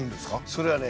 それはね